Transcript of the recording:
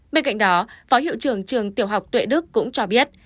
bên cạnh đó phó hiệu trưởng trường tiểu học tuệ đức cũng cho biết